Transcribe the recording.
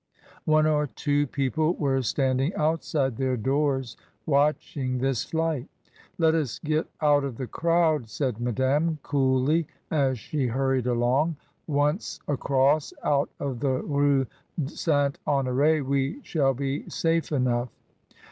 One or two people were standing outside their doors, watching this flight. "Let us get out of the crowd," said Madame, coolly, as she hurried along. "Once across out of the Rue St. Honore we shall be safe enough."